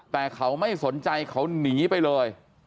แต่เขาไม่สนใจเขาหนีไปเลย